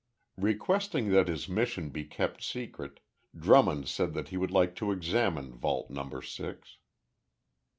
Requesting that his mission be kept secret, Drummond said that he would like to examine Vault No. Six.